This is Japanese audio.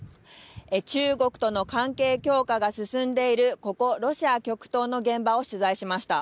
中国との関係強化が進んでいるここ、ロシア極東の現場を取材しました。